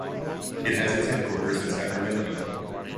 It has its headquarters in Sacramento.